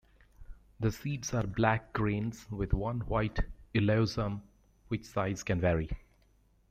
The seeds are black grains with one white elaiosome which size can vary.